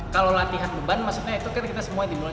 kalau latihan beban maksudnya itu kan kita semua dimulai